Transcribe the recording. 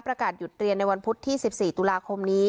ประกาศหยุดเรียนในวันพุธที่๑๔ตุลาคมนี้